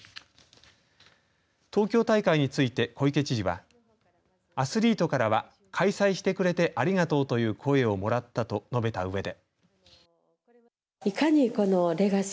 東京大会について小池知事はアスリートからは開催してくれてありがとうという声をもらったと述べたうえで。